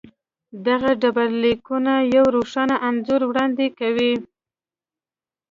دغه ډبرلیکونه یو روښانه انځور وړاندې کوي.